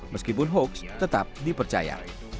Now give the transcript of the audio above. meskipun hoax tetap dipercaya